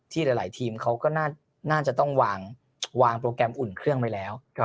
หลายทีมเขาก็น่าจะต้องวางโปรแกรมอุ่นเครื่องไว้แล้ว